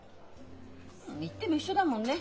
言っても一緒だもんね。